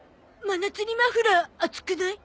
真夏にマフラー暑くない？